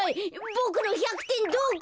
ボクの１００てんどこ？